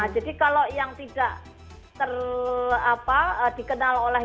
jadi kalau yang tidak terkenal oleh